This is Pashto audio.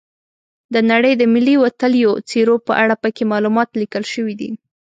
د نړۍ د ملي وتلیو څیرو په اړه پکې معلومات لیکل شوي دي.